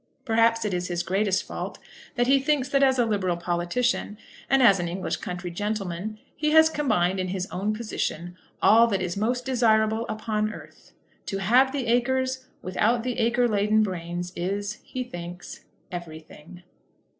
Perhaps it is his greatest fault that he thinks that as a liberal politician and as an English country gentleman he has combined in his own position all that is most desirable upon earth. To have the acres without the acre laden brains, is, he thinks, everything.